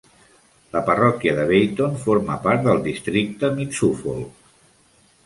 La parròquia de Beyton forma part del districte Mid Suffolk.